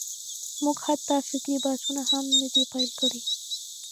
موږ حتی فکري بحثونه هم نه دي پېل کړي.